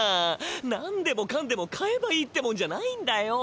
何でもかんでも買えばいいってもんじゃないんだよ！